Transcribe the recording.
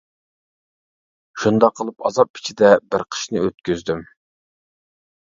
شۇنداق قىلىپ ئازاب ئىچىدە بىر قىشنى ئۆتكۈزدۈم.